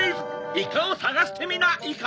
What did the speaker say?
「イカを探してみなイカ？」